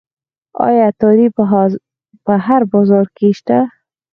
آیا عطاري په هر بازار کې نشته؟